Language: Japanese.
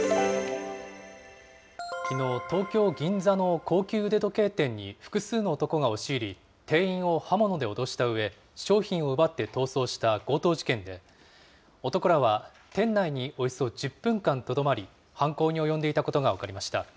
きのう、東京・銀座の高級腕時計店に複数の男が押し入り、店員を刃物で脅したうえ、商品を奪って逃走した強盗事件で、男らは店内におよそ１０分間とどまり、犯行に及んでいたことが分かりました。